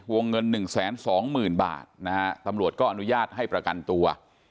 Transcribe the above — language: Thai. วงเงินหนึ่งแสนสองหมื่นบาทนะฮะตำรวจก็อนุญาตให้ประกันตัว